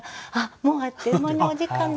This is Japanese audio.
もうあっという間にお時間です。